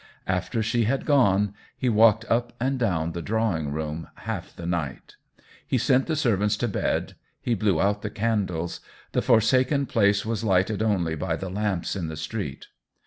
After she had gone he walked up and down the drawing room half the night. He sent the servants to bed, he blew out the candles ; the forsaken place was lighted only by the lamps in the street.